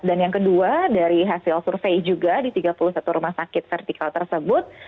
dan yang kedua dari hasil survei juga di tiga puluh satu rumah sakit vertikal tersebut